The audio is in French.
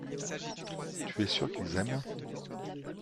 Tu es sûr qu’ils aiment.